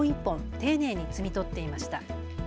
丁寧に摘み取っていました。